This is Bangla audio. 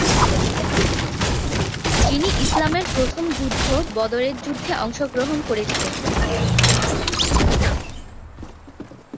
যিনি ইসলামের প্রথম যুদ্ধ বদরের যুদ্ধে অংশগ্রহণ করেছিলেন।